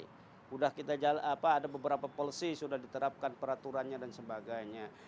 sudah kita jalan ada beberapa policy sudah diterapkan peraturannya dan sebagainya